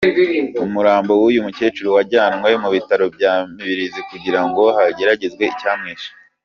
Umurambo w’uyu mukecuru wajyanwe mu bitaro bya Mibirizi kugira ngo hagaragazwe icyamwishe.